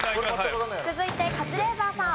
続いてカズレーザーさん。